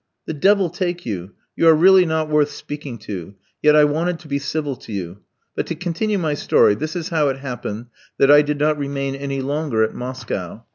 "The devil take you, you are really not worth speaking to; yet I wanted to be civil to you. But to continue my story; this is how it happened that I did not remain any longer at Moscow.